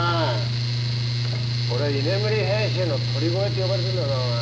俺は居眠り編集の鳥越って呼ばれてんだぞお前。